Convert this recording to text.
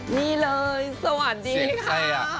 นี่เลยสวัสดีค่ะ